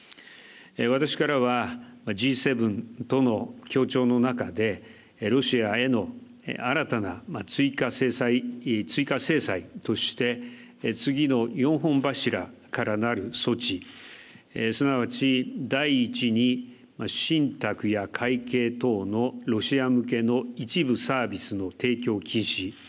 私からは、Ｇ７との協調の中でロシアへの新たな追加制裁として次の４本柱からなる措置。すなわち、第１に信託や会計等のロシア向けの一部サービスの提供禁止。